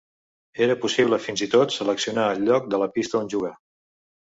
Era possible fins i tot seleccionar el lloc de la pista on jugar.